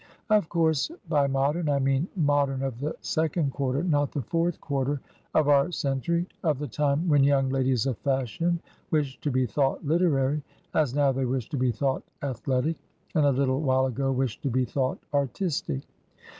Of course, by modem, I mean modem of the second quarter, not the fourth quarter, of otir century; of the time when young ladies of fashion wished to be thought literary, as now they wish to be thought athletic, and a little while ago wished to be thought artistic.